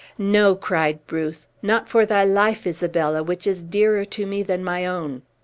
"No," cried Bruce, "not for thy life, Isabella, which is dearer to me than my own!